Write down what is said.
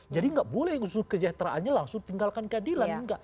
jadi tidak boleh unsur kesejahteraannya langsung tinggalkan keadilan